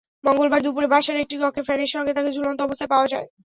মঙ্গলবার দুপুরে বাসার একটি কক্ষে ফ্যানের সঙ্গে তাঁকে ঝুলন্ত অবস্থায় পাওয়া যায়।